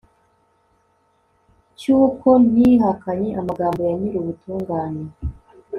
cy'uko ntihakanye amagambo ya nyirubutungane